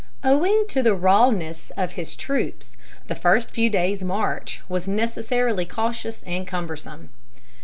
Owing to the rawness of his troops, the first few days' march was necessarily cautious and cumbersome.